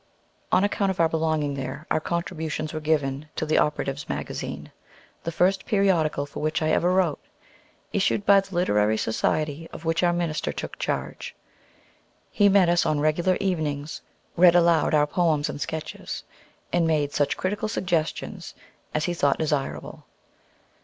On account of our belonging there, our contributions were given to the "Operatives' Magazine," the first periodical for which I ever wrote, issued by the literary society of which our minister took charge. He met us on regular evenings, read aloud our poems and sketches, and made such critical suggestions as he thought desirable.